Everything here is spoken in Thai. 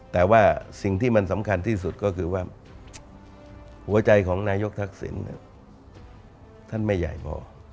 แต่ว่าสิ่งที่มันสำคัญที่สุดก็คือว่าหัวใจของนายกทักษิณท่านไม่ใหญ่พอ